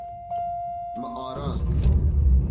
Me arast.